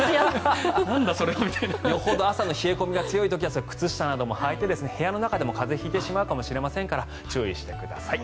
よほど冷え込みが強い時は靴下などもはいて、部屋の中でも風邪を引いてしまうかもしれませんから注意してください。